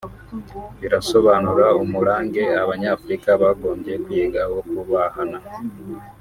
Birasobanura umurange abanyafurika bagombye kwiga wo kubahana